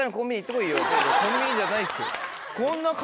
コンビニじゃないですよ。